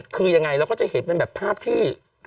คือยังไงเราก็จะเห็นเป็นแบบภาพที่